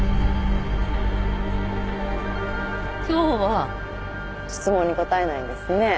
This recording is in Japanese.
今日は質問に答えないんですね。